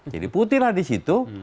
jadi putih lah di situ